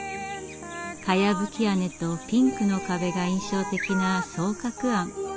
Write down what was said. かやぶき屋根とピンクの壁が印象的な「双鶴庵」。